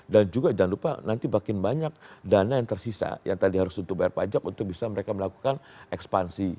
juga jangan lupa nanti makin banyak dana yang tersisa yang tadi harus untuk bayar pajak untuk bisa mereka melakukan ekspansi